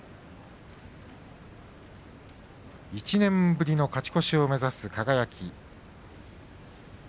１年ぶりの勝ち越しを目指す輝。